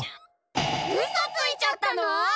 うそついちゃったの？